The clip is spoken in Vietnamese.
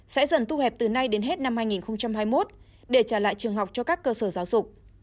sẽ dần thu hẹp từ nay đến hết năm hai nghìn hai mươi một để trả lại trường học cho các cơ sở giáo dục